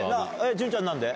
潤ちゃん何で？